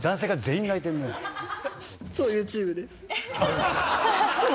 「そういうチームです」